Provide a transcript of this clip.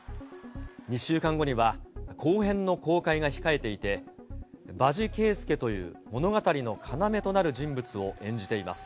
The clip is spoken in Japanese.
２週間後には、後編の公開が控えていて、場地圭介という物語の要となる人物を演じています。